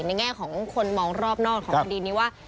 แง่ของคนมองรอบนอกของคดีนี้ว่า